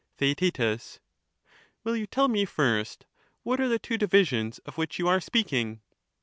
SonT^" Theaet Will you tell me first what are the two divisions of There is which you are speaking